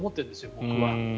僕は。